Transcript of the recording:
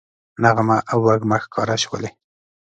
نغمه او وږمه ښکاره شولې